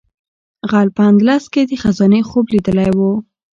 غل په اندلس کې د خزانې خوب لیدلی و.